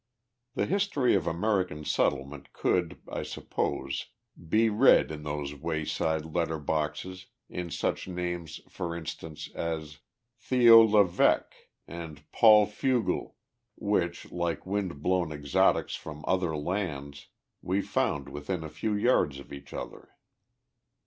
The history of American settlement could, I suppose, be read in those wayside letter boxes, in such names, for instance, as "Theo. Leveque" and "Paul Fugle," which, like wind blown exotics from other lands, we found within a few yards of each other.